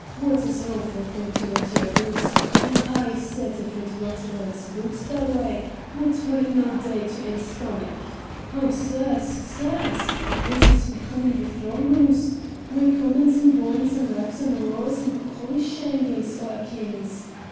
Water's an awfu' thing to rot ye'r boots; I aye said if it rotted ane's boots that way, whit wad it no' dae to ane's stamach? Oh, sirs! sirs! this is becomin' the throng hoose, wi' comin's and goin's and raps and roars and collie shangies o' a' kin's.